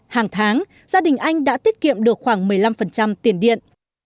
hàng tháng gia đình anh đã tiết kiệm được khoảng một mươi năm tiền điện